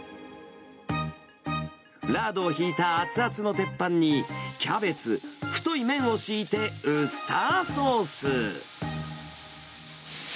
ラードをひいた熱々の鉄板に、キャベツ、太い麺を敷いてウスターソース。